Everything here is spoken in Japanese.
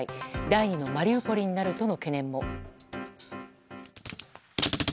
第２のマリウポリになるとの懸念も。